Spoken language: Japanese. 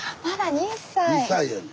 ２歳やね。